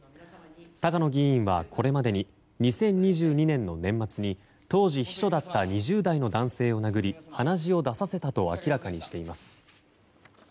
高野議員はこれまでに２０２２年の年末に当時、秘書だった２０代の男性を殴り鼻血を出させたと明らかにしています。